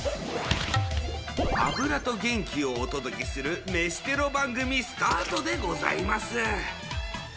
脂と元気をお届けする飯テロ番組スタートでございます。